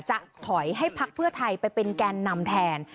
จะถอยให้พักเพื่อไทยไปเป็นแกนนำแทน